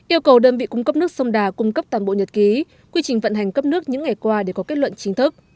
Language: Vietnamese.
yêu cầu đơn vị cung cấp nước sông đà cung cấp toàn bộ nhật ký quy trình vận hành cấp nước những ngày qua để có kết luận chính thức